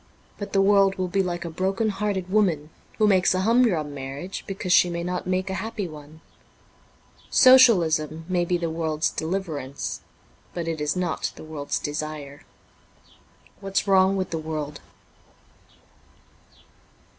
But the world will be like a broken hearted woman who makes a humdrum marriage because she may not make a happy one ; Socialism may be the world's deliverance, but it is not the world's desire. ' Whafs Wrong with the World.'